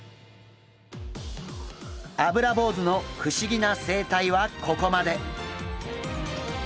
アブラボウズの不思議な生態はここまで。